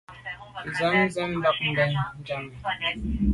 Njam sèn bag be bèn njam.